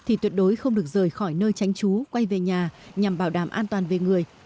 thì tuyệt đối không được rời khỏi nơi tránh trú quay về nhà nhằm bảo đảm an toàn về người